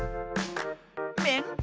めんこ。